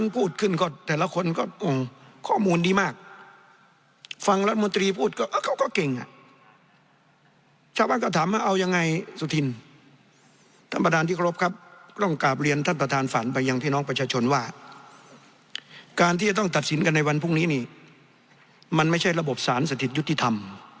เพราะฉะนั้นพรุ่งนี้นี่มันไม่ใช่ระบบสารสถิตยุติธรรม